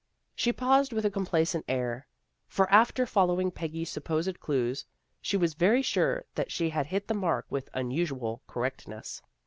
She paused with a complacent ah 1 , for after following Peggy's supposed clues she was very sure that she had hit the mark with unusual correctness.